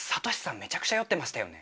めちゃくちゃ酔ってましたよね。